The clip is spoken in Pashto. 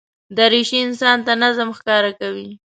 دریشي انسان ته نظم ښکاره کوي.